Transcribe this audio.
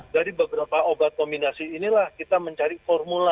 jadi beberapa obat kombinasi inilah kita mencari formula